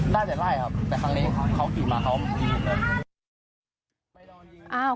น่าจะไล่ครับแต่ครั้งนี้เขาขี่มาเขายิงเลย